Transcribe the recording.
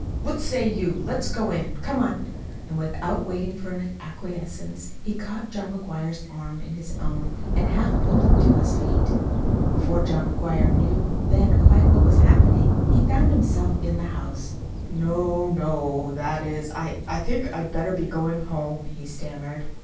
"What say you? Let's go in. Come on." And without waiting for acquiescence, he caught John McGuire's arm in his own and half pulled him to his feet. Before John McGuire knew then quite what was happening, he found himself in the house. "No, no! that is, I I think I'd better be going home," he stammered.